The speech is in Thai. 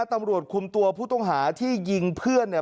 ตำรวจคุมตัวผู้ต้องหาที่ยิงเพื่อนเนี่ย